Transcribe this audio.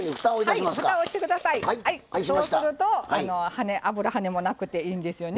そうすると油はねもなくていいんですよね。